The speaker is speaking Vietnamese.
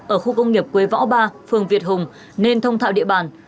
ở khu công nghiệp quế võ ba phường việt hùng nên thông thạo địa bàn